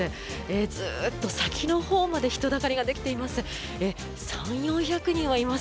ずっと先のほうまで人だかりができています。